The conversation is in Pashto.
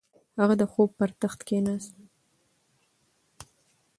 هغه د خوب پر تخت کیناست.